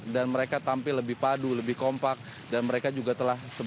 dan mereka tampil lebih padu lebih kompak dan mereka juga telah